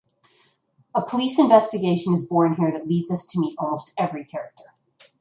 A police investigation is born here that leads us to meet almost every character.